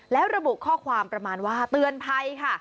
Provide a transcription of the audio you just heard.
แล้วระบุข้อความประมาณว่าเตือนภัยค่ะ